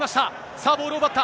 さあ、ボールを奪った。